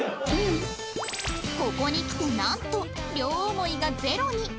ここに来てなんと両思いがゼロに